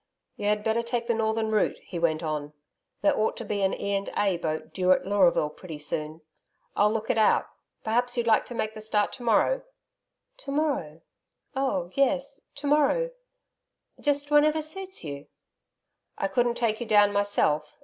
'You had better take the northern route,' he went on. 'There ought to be an E. and A. boat due at Leuraville pretty soon I'll look it out. ... Perhaps you'd like to make the start to morrow?' 'To morrow oh yes, to morrow just whenever suits you.' 'I couldn't take you down myself.